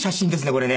これね。